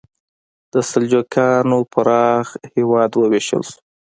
د سلجوقیانو پراخ هېواد وویشل شو.